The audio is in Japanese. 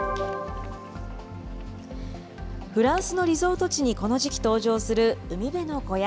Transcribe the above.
フランスのリゾート地にこの時期登場する海辺の小屋。